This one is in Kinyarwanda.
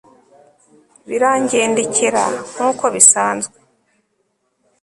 birangendekera nk'uko bisanzwe